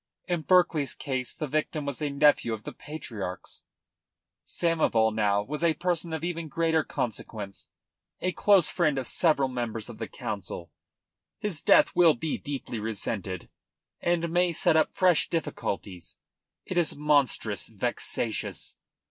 In Berkeley's case the victim was a nephew of the Patriarch's. Samoval, now, was a person of even greater consequence, a close friend of several members of the Council. His death will be deeply resented, and may set up fresh difficulties. It is monstrous vexatious."